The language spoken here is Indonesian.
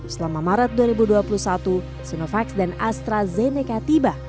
selama maret dua ribu dua puluh satu sinovac dan astrazeneca tiba